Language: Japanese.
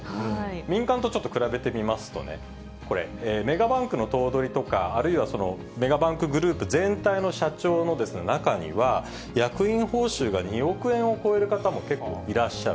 民間とちょっと比べてみますとね、これ、メガバンクの頭取とか、あるいはメガバンクグループ全体の社長の中には、役員報酬が２億円を超える方も結構いらっしゃる。